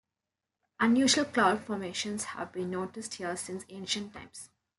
Unusual cloud formations have been noticed here since ancient times.